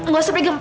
gak usah pegang